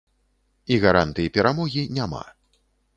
І гарантый перамогі няма.